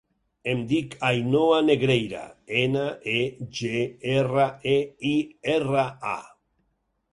Em dic Ainhoa Negreira: ena, e, ge, erra, e, i, erra, a.